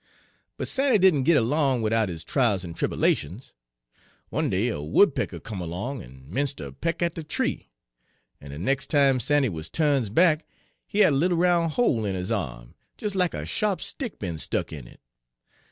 "But Sandy didn' git erlong widout his trials en tribberlations. One day a woodpecker come erlong en 'mence' ter peck at de tree; en de nex' time Sandy wuz turns back he had a little roun' hole in his arm, des lack a sharp stick be'n stuck in it.